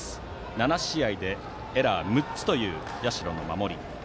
７試合でエラー６つという社の守り。